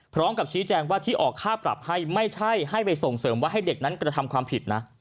พร้อมกับชี้แจงว่าที่ออกค่าปรับให้ไม่ใช่ให้ไปส่งเสริมว่าให้เด็กนั้นกระทำความผิดนะ